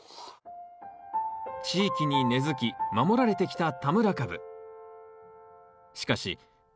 地域に根づき守られてきた田村かぶ。